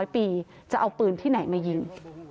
๐ปีจะเอาปืนที่ไหนมายิง